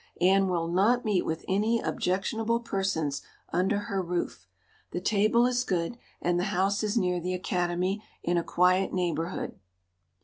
Anne will not meet with any objectionable persons under her roof. The table is good, and the house is near the Academy, in a quiet neighborhood."